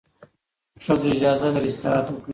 ښځه اجازه لري استراحت وکړي.